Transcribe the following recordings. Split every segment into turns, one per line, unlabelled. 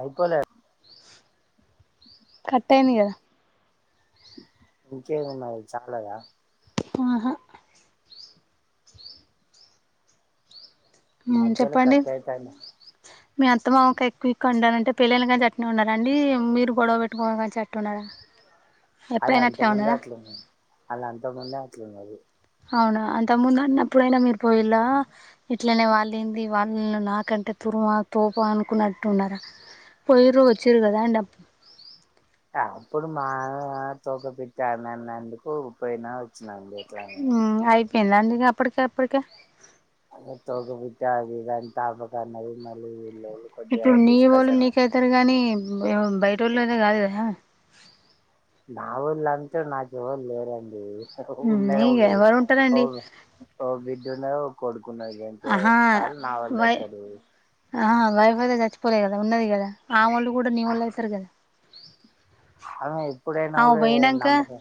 అయిపోలే.
కట్టయింది కదా.
ఇంకేమున్నాది చాలాగా
ఆహా
మధ్యలో
చెప్పండి
కట్ అయితాంది
మీ అత్త మామ కి ఎక్కువి ఉండాలంటే. పెళ్లయిన కానీ నుంచి ఉన్నారా అండి మీరు గొడవ పెట్టుకోని కానీ నుంచి అట్లా ఉన్నారా.
అది
ఎప్పుడైనా
అంత ముందే
ఉన్నదా
అట్లే అంత ఇంత ముందే అట్లా ఉంది
అవును అంతకు ముందు అన్నప్పుడైనా మీరు పోయిలా ఇ అట్లనే వాళ్ళు ఏంది వాళ్ళను నాకంటే తుర్మా తోప అనుకున్నట్టు ఉన్నారా పోయరు వచ్చారు కదా అం అప్
అప్పుడు మా తోక పెట్టాన అన్నందుకు పోయినా వచ్చినం
ఉ అయితే ఎ అప్పుడకే ఎప్పడకే
తగబిట్ట ఆది అంత ఆబక నది మలి
ఇప్పుడు నీ వాళ్ళు నీకైతారు గాని బయట బాటిల్ అయితే కథగద
నా వళ్ళంతే నాకు ఎవరు లేరండి ఉన్నఓ
ఇగ ఎవరు ఉంటారండి
విడ్ ఉన్న కొడ కు అంత
ఆహా
అల్ నావ ఎల్ ఇయితుంది
ఆ వైఫ అయితే చచ్చిపోలేదు కదా ఉన్నది కదామలు కూడా నవల్యితారు కదా
అన్ ఇప్పుడేనా
ఆమె
కూడా కూడా
పోయినాక
నమ్మక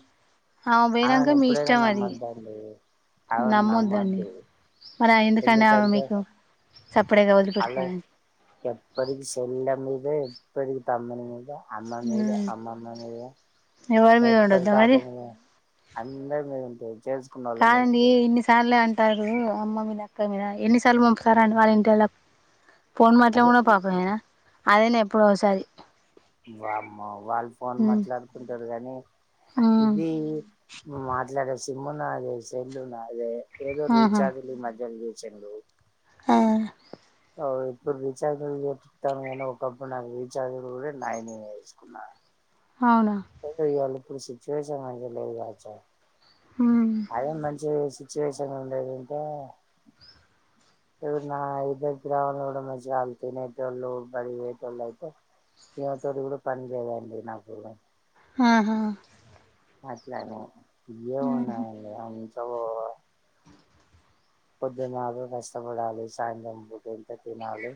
ఆమె పోయినాక
అను
మీ
ఇప్పుడనా
ఇష్టం అది
నమ్మదాంది
నమ్మొద్దండి మరి ఎందుకంట
ఎందుకంటే
మీకు సపడేగా
అలా
వదిలిపెట్టుకోలండి
అదే ఎప్పటికి తమ్నిద అమ్మ మీద అమ్మమ మీద
ఎవారి మీద
ఎప్పటి
ఉండొద్దా
తాత
మరి
మీద అందరి మ ఉంటంది
కాదండి ఇన్ని సార్లు అంట టారు అమ్మ మీద అక్క మీద ఎన్నిసార్లు పంపుతారుడి వాళ్ళ ఇంటి ఎళ్ళ ఫోన్ మట్లా
అదే
ఉ పాపయనా అదేనా ఎప్పుడ ఒకసారి
బమ్మ వాళ్ళు ఫోన్
ఉమ్,
మాట్లాడుకుంటారు అని
ఉమ్,
ఇదది మాట్లాడ సిమ్ము నదే సేల్ నదే ఏదో ఒకటి
ఆహా
రీచార్జ్లీ మధ్యాయలో చె
ఆ
ఇప్పుడు రీఛార్జ్తాను కానీ ఒకప్పుడు నాకు రీఛార్జ్ కూడా నైనే వేసుకున్నాను
అవునా
సయి గల్ ఇప్పుడు సిట్యుయేషన్ నాకు తెలీదు కదాఅచ్చం
ఉమ్,
అదే మంచి సిట్యుయేషన్ ఉండేది ఇంకా నా ఇద్దరికి రావడం కూడా మంచిగా వాళ్ళు తినేటోళ్ళు బడియేటోళ్ళు అయితే ఈమ తోటి కూడా పని లేదండి నాకు
ఆహా
అట్లాని ఇయా
ఉమ్,
మను అయిని సౌవ్ పొద్దున్నలు కష్టపడాలి సాయంత్రం పూట ఇంత తినాలి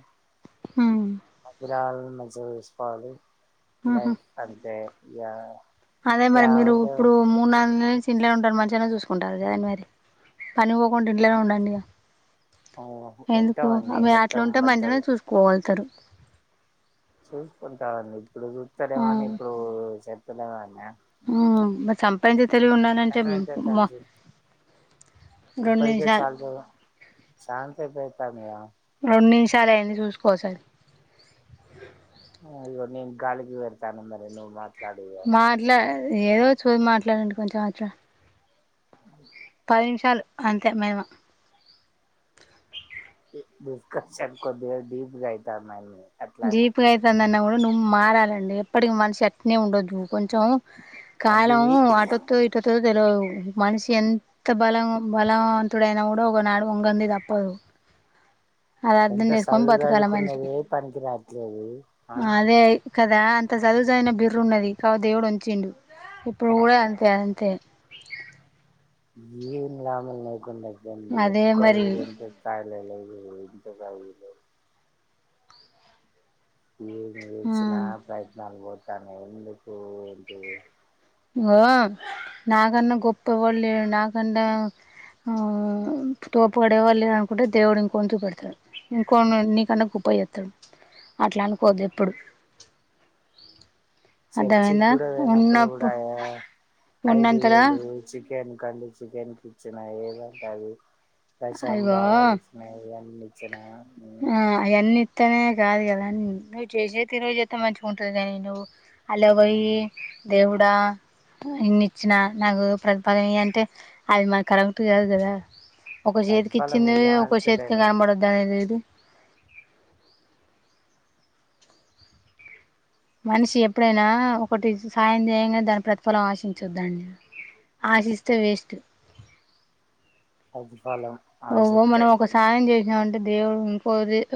ఉమ్,
పిల్లలను మంచిగా చూసుకోవాలి
ఉహు.
లేఫ్ అంతే యా
అదే మరి మీరు ఇప్పుడు మూడు నాలుగు నెల నుంచి ఇంట్లోనే ఉంటారు మంచిగానే చూసుకుంటారు కదాని మరి పని పోకుండా ఇంట్లోనే ఉండండి ఇగ ఎందుకు
ఉంటామండి ఏం
ఆమె అట్లా
చేత్తం
ఉంటే
మధ్యలో
మంచినే చూసుకోగలుతారు
చూసుకుంటాము అండి ఇప్పుడు చూస్తారేమోని ఇప్పుడు చె సుస్తాలేవానే
ఆ సంపాదించే తెలివి ఉన్నానంటే అమ్మ
ఏమైతది
రెండు
ఇప్పటికే
నిమిషాలు
సమయం
రెండు నిమిషాలు అయింది చూసుకో ఒకసారి
అయ్యో నేను గాలికి పెడుతాన మరి నువ్వు మాట్లా
మాట్లాడు ఏదో చూది మాట్లాడండి కొంచం అట్లా
ఆ
పది నిమిషాలు అంతే మేము
దుష్కత్ డిప్ గా అయితున్నాయి
డిప్ అయితా నువ్వు మారాలండి ఎప్పటికి మనిషి ఎట్నే ఉండదు కొంచం
అది
కాలం అటుతో ఇటుతో తెలిదు మనిషి ఎంత బలం బలవంతుడయినా కూడా ఒకనాడు వంగంది తప్పదు అది అర్థం
ఎంత
చేసుకొని బతకాల
చదువుకున్న
మనిషి
ఏది పనికి రాదు ఏంది ఆహా.
అదే కదా అంత చదువు చదివిన బిర్రు ఉన్నది కావు దేవుడు ఉంచిండు. ఇప్పుడు కూడా అంతే అంతే.
ఏం లాభం లేకుండా పో దాని మీద
అదే
ఒక్కలు
మరి
కూడా ఇంట్రెస్ట్ గా తా లేదు లేదు ఇంత చదువుడు లేదు ఏం చేసినా ప్రయత్నాలు పోతుయి కాని ఎందుకు ఏంటిది
ఇగో నా కన్న గొప్ప ఎవడు లేడు నాకన్నా హో తోపోడు ఎవ్వడు లేడు అనుకుంటే దేవుడు ఇంకొన్ని చూపెడతాడు ఇంకొన్ని నీకన్నా గొప్ప చేస్తాడు అట్లా అనుకోద్దు ఎప్పుడు
చర్చి
అర్థమైందా
కూడా పోయినప్పుడు కూడా
ఉన్నప్పుడు
ఆ ఐదు
ఉన్నంతలా
వేలు చి చికెన్ కండి చికెన్ కి ఇచ్చిన ఏదంటే అది ప్రశాంత్
అయ్యో
బాబాయ్ ఇచ్చిన ఆయన్ని ఇచ్చిన
ఆ ఆయన్ని ఇస్తనే కాదు కదా నువ్వు చేసే తీరుగా చేత్తే మంచిగా ఉంటది కాని నువ్వు అల్లకు పోయి దేవుడా ఇన్ని ఇచ్చిన నాకు ప్రతిఫలం ఈ అంటే అది మన కరెక్ట్ కాదు కదా ఒక చేతికి
ప్రతిఫలం
ఇచ్చింది ఒక చేతికి
ఇయ్యమంటలేను
కనబడద్ద అనేది లేదు మనిషి ఎప్పుడైనా ఒకటి సాయం చేయంగానే దాని ప్రతిఫలం ఆశించొద్ద అండి ఆశిస్తే వేస్ట్
ఓకే
ఓహో మనం ఒక సాయం చేసినాము అంటే దేవు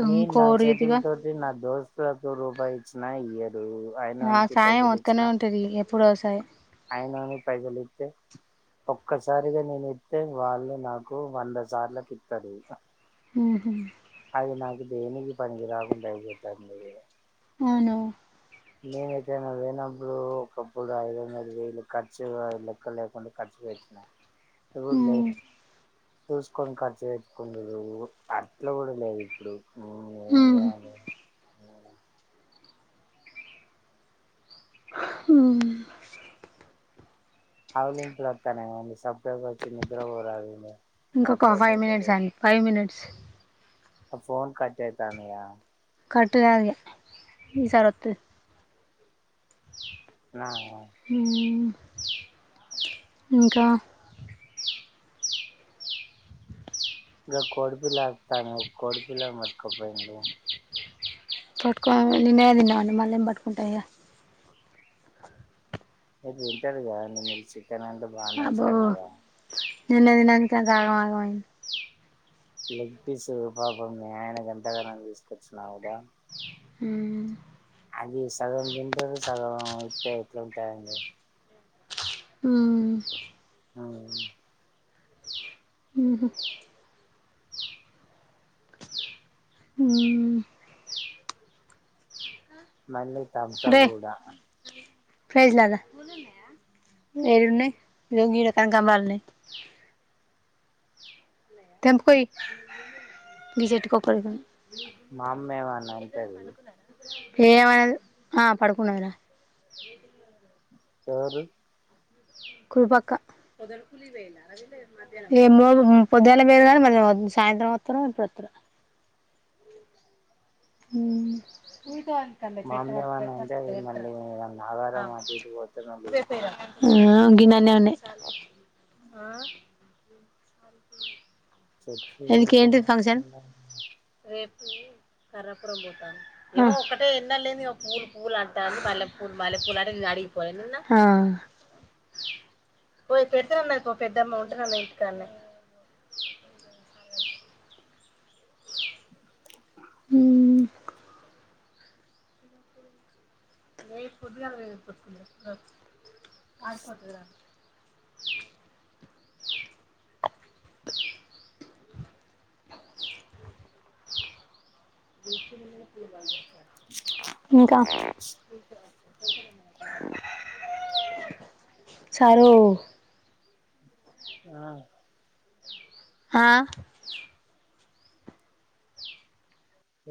నేను నా చేతుల తోటి నా దోస్త్ దోస్తులకు రూపాయి ఇచ్చిన ఇయారు ఇప్పుడు
ఆ
అయినోనికి
సాయం
పైసలు
వత్తనే
ఇచ్చిన
ఉంటది ఎప్పుడో ఒకసారి
అయినోనికి పైసలు ఇత్తే ఒక్కసారిగా నేను ఇస్తతే వాళ్ళు నాకు వంద సార్ల తిడుతారు ఇగా
ఊహు
అది నాకు దేనికి పనికి రాకుండా అయిపోతుంది
అవును
ఇప్పుడు ఒకప్పుడు ఐదు వందలువేలు ఖర్చు లెక్క లేకుండా ఖర్చు పెట్టిన ఎవ్వలే
ఉమ్
చూసుకొని ఖర్చు పెట్టుకొనుడు అట్ల కూడా లేదు ఇప్పుడు ఏం
ఊహు
[unintelligible]
అహా
ఆవలింపులు వస్తానయ్యా మీ సాపు [inaudible] కొచ్చి నిద్ర పోరాదు ఇగా నాకు
ఇంకొక
ఫోన్
ఫైవ్
చేసే
మినిట్స్
బాదలు
అండి ఫైవ్ మినిట్స్
ఆ ఫోన్ కట్ అయితాందిగా
కట్టు కాదు ఇగ ఈసారి వత్తది
నా
ఊహు ఇంకా
కోడుపిల్ల అరుస్తుంది కోడుపిల్ల పట్టుకొనిపోయి
పట్టుక నినే తిన్నాం మళ్ళీ ఏం పట్టుకుంటం ఇగ
ఏ తింటరుగా అండి మీరు చికెన్ ఇ బాగానే
అబ్బో
ఇష్టా కదా
నిన్న తిన్నాక అంతా ఆగం ఆగం మయింది
లెగ్ పీసు పాప మీ ఆయన గంత గానం తీసుకొచ్చినా కదా.
హ
అది సగం తింటారు సగం అయితే ఎట్లాంటాయిండి
హ ఉ అ
మళ్ళీ తంచ కూడా
ఫ్రైజ్లాదా ఏడున్నాయి ఈడికి కనకాంబరాలు ఉన్నాయి. తెంపుకో ఈ చెట్టుకి
మా అమ్మేమన్నా అంటది
ఏమైనది ఆ పడుకున్నరా
ఎవరు
కుపక్క పొద్దుల మీద కానీ మ సాయంత్రం వత్తరం ఇప్పుడు వస్తరో. హ
మా అమ్మ ఏమన్నా అంటది మళ్ళీ ఆగారం అటు ఇటు పోతే మళ్ళీ
[unintelligible] గిననే ఉన్నాయి ఆ అ
[unintelligible]
కర్రపురం పోతాను ఇ ఒకక్కటే ఎన్న లేని పూలు పూలు అంటా మల్లె పూలు మల్లె పూలు అనిే నేను అడిగిపోలే నిన్న పోయి పెడితేనన్న ఇ పెద్దమ్మ ఉంటేనన్న ఇంటికనే. [unintelligible] అ [unintelligible] [unintelligible] ఇంకా సారు
ఆ
ఆ